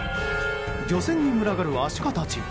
漁船に群がるアシカたち。